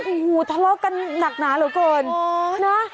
โอ้โหทะเลาะกันหนักหนาเหรอก่อนโอ้นะ